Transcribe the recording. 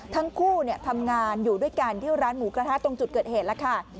ทั้งคู่ทำงานอยู่ด้วยกันที่ร้านหมูกระทะตรงจุดเกิดเหตุแล้วค่ะ